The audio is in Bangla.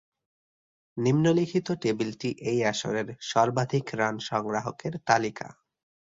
নিম্নলিখিত টেবিলটি এই আসরের সর্বাধিক রান সংগ্রাহকের তালিকা।